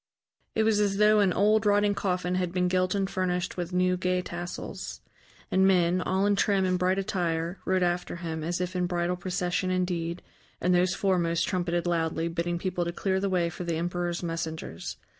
It was as though an old, rotting coffin had been gilt and furnished with new, gay tassels. And men, all in trim and bright attire, rode after him, as if in bridal procession indeed, and those foremost trumpeted loudly, bidding people to clear the way for the emperor's messengers.